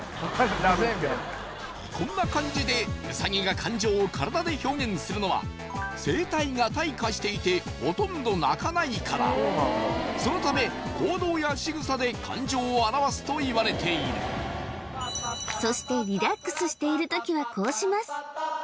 なとこんな感じでウサギが感情を体で表現するのはからそのため行動やしぐさで感情を表すといわれているそしてリラックスしている時はこうします